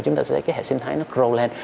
chúng ta sẽ thấy cái hệ sinh thái nó grow lên